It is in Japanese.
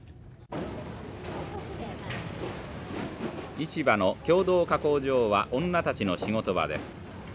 市場の共同加工場は女たちの仕事場です。